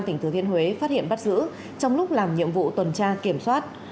tỉnh thừa thiên huế phát hiện bắt giữ trong lúc làm nhiệm vụ tuần tra kiểm soát